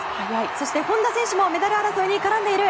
そして、本多選手もメダル争いに絡んでいる。